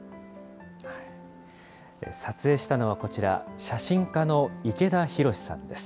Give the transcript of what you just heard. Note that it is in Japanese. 撮影したのはこちら、写真家の池田宏さんです。